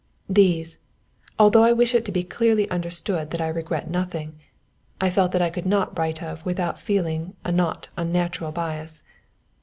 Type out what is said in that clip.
These (although I wish it to be clearly understood that I regret nothing) I felt that I could not write of without feeling a not unnatural bias.